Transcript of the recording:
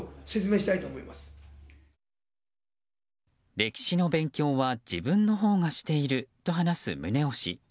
歴史の勉強は自分のほうがしていると話す宗男氏。